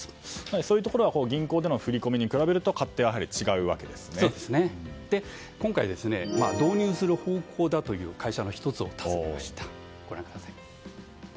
そういうところは銀行での振り込みと比べると今回、導入する方向だという会社の１つを訪ねました。